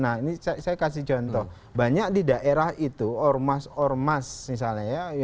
nah ini saya kasih contoh banyak di daerah itu ormas ormas misalnya ya